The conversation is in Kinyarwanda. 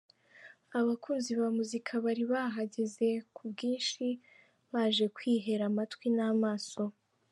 Abakunzi ba muzika bari bahageze ku bwinshi baje kwihera amatwi n’amaso.